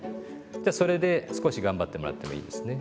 じゃあそれで少し頑張ってもらってもいいですね。